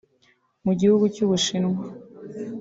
Mu gihugu cy’ubushinwa